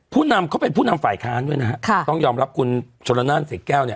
เขาเป็นผู้นำฝ่ายค้านด้วยนะฮะค่ะต้องยอมรับกุญชัก